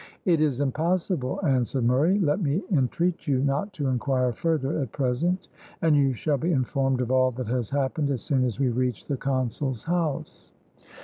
"It is impossible," answered Murray. "Let me entreat you not to inquire further at present, and you shall be informed of all that has happened as soon as we reach the consul's house."